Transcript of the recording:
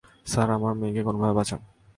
Sir, আমার মেয়েকে কোনোভাবে বাঁচান।